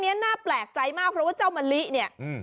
เดี๋ยวเดี๋ยวเดี๋ยว